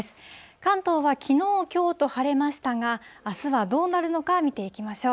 関東はきのう、きょうと晴れましたが、あすはどうなるのか見ていきましょう。